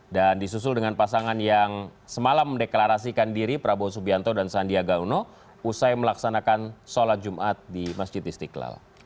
dan disusul dengan pasangan yang semalam mendeklarasikan diri prabowo subianto dan sandiaga uno usai melaksanakan sholat jumat di masjid istiqlal